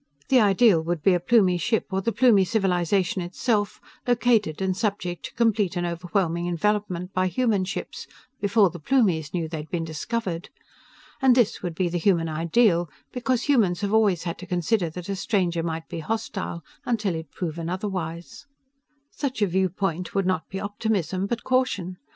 The ideal would be a Plumie ship or the Plumie civilization itself, located and subject to complete and overwhelming envelopment by human ships before the Plumies knew they'd been discovered. And this would be the human ideal because humans have always had to consider that a stranger might be hostile, until he'd proven otherwise. Such a viewpoint would not be optimism, but caution.